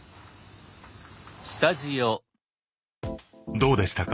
どうでしたか？